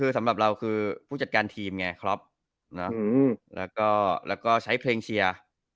คือสำหรับเราคือผู้จัดการทีมไงครับแล้วก็ใช้เพลงเชียร์